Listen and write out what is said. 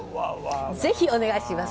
ぜひお願いします。